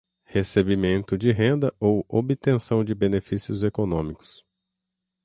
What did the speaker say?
recebimento de renda ou obtenção de benefícios econômicos;